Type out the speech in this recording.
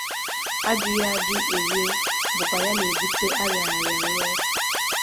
Ajụghị ajụ e rie bụkwa ya na-ebute arịaghị arịa a nwụ